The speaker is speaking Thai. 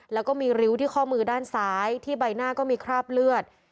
แล้วก็มีริ้วที่ข้อมือด้านซ้ายที่ใบหน้าก็มีคราบเลือด